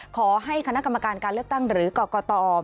ขอให้คณะกรรมการการเลือกตั้งหรือกรกต